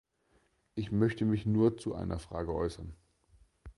Ich möchte mich nur zu einer Frage äußern.